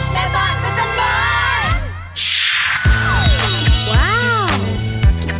วันนี้แม่บานเค้าจะเป็น